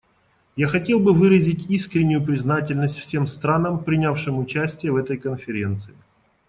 Я хотел бы выразить искреннюю признательность всем странам, принявшим участие в этой конференции.